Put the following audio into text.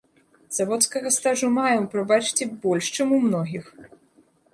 Заводскага стажу маю, прабачце, больш чым у многіх.